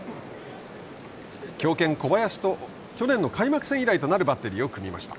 強肩小林と去年の開幕戦以来のバッテリーを組みました。